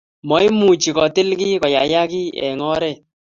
maimuchi kotiil giiy koyayak kiiy eng oret